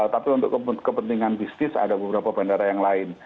tapi untuk kepentingan bisnis ada beberapa bandara yang lain